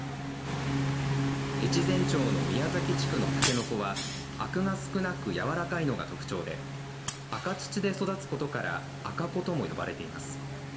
越前町の宮崎地区のたけのこはアクが少なくやわらかいのが特徴で赤土で育つことから赤子とも呼ばれています。